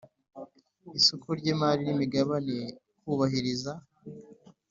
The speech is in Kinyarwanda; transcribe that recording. isoko ry imari n imigabane kubahiriza